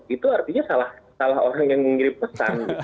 itu artinya salah orang yang mengirim pesan